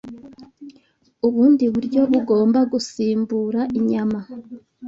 Ubundi buryo bugomba gusimbura inyama